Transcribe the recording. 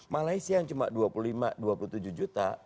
malaysia yang cuma dua puluh lima dua puluh tujuh juta